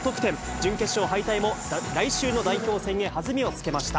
準決勝敗退も、来週の代表選へ弾みをつけました。